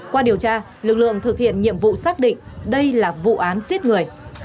qua điều tra lực lượng thực hiện nhiệm vụ xác định đây là vụ án giết người